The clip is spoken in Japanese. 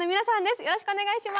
よろしくお願いします。